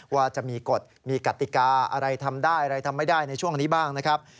ว่าจะมีกฎมีกติกาอะไรทำได้อะไรทำไม่ได้ในช่วงนี้บ้างนะครับ